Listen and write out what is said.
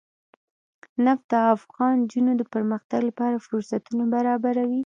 نفت د افغان نجونو د پرمختګ لپاره فرصتونه برابروي.